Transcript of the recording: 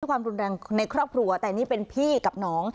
ความรุนแรงในครอบครัวแต่นี่เป็นพี่กับน้อง